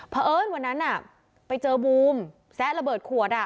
เพราะเอิ้นวันนั้นไปเจอบูมแซะระเบิดขวด